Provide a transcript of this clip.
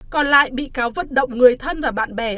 còn lại bị cáo vận động người thân và bạn bè